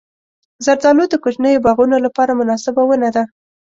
زردالو د کوچنیو باغونو لپاره مناسبه ونه ده.